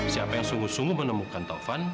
siapa yang sungguh sungguh menemukan taufan